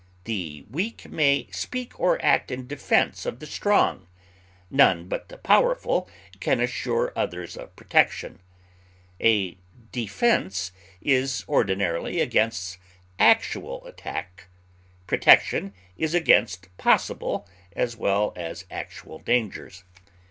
The weak may speak or act in defense of the strong; none but the powerful can assure others of protection. A defense is ordinarily against actual attack; protection is against possible as well as actual dangers.